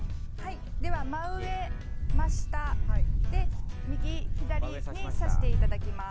真上、真下、右、左に挿していただきます。